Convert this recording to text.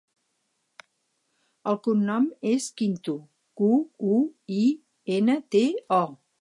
El cognom és Quinto: cu, u, i, ena, te, o.